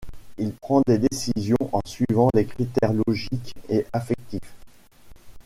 Il prend des décisions en suivant des critères logiques et affectifs.